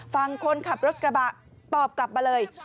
ฝั่งคนขับรถกระบะตอบกลับมาเลย